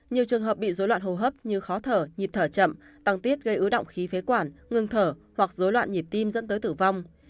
nhiều trường hợp bị dối loạn hô hấp như khó thở nhịp thở chậm tăng tiết gây ứ động khí phế quản ngưng thở hoặc dối loạn nhịp tim dẫn tới tử vong